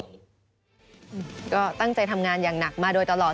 ก็ตั้งใจทำงานอย่างหนักมาโดยตลอด